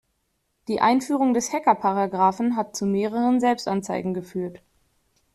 Die Einführung des Hackerparagraphen hat zu mehreren Selbstanzeigen geführt.